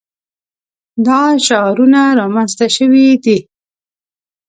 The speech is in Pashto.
دا شعارونه رامنځته شوي دي.